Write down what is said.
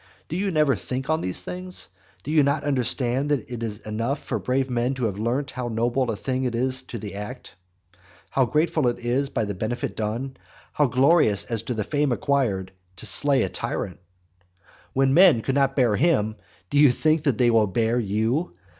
Do you never think on these things? And do you not understand that it is enough for brave men to have learnt how noble a thing it is as to the act, how grateful it is as to the benefit done, how glorious as to the fame acquired, to slay a tyrant? When men could not bear him, do you think they will bear you?